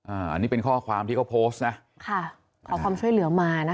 อันนี้เป็นข้อความที่เขาโพสต์นะค่ะขอความช่วยเหลือมานะคะ